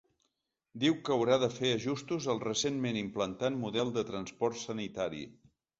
Diu que haurà de fer ajustos al recentment implantat model de transport sanitari.